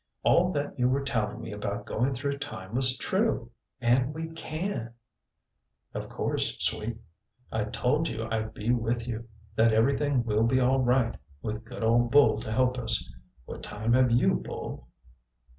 All that you were telling me about going through time was true! And we can " "Of course, sweet. I told you I'd be with you, that everything will be all right, with good old Bull to help us. What time have you, Bull?"